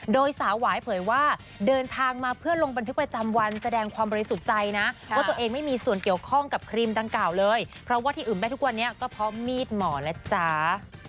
โดยสาวหวายเผยว่าเดินทางมาเพื่อลงบันทึกประจำวันแสดงความบริสุทธิ์ใจนะว่าตัวเองไม่มีส่วนเกี่ยวข้องกับครีมดังกล่าวเลยเพราะว่าที่อึมได้ทุกวันนี้ก็เพราะมีดหมอและจ้า